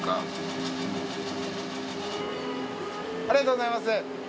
ありがとうございます。